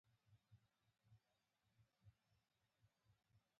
د امنیت ساتلو په چارو کې مرسته کوي.